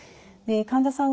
患者さん